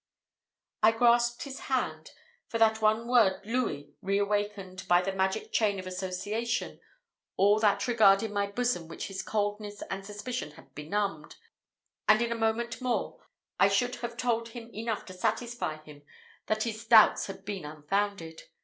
I grasped his hand, for that one word Louis re awakened, by the magic chain of association, all that regard in my bosom which his coldness and suspicion had benumbed; and in a moment more I should have told him enough to satisfy him that his doubts had been unfounded.